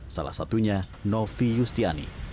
salah satunya novi yustiani